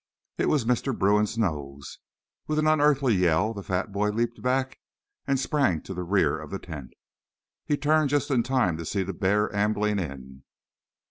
It was Mr. Bruin's nose. With an unearthly yell, the fat boy leaped back and sprang to the rear of the tent. He turned just in time to see the bear ambling in.